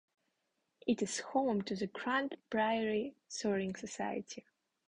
It is home to the Grande Prairie Soaring Society.